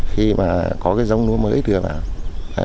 khi mà có cái giống lúa mới đưa vào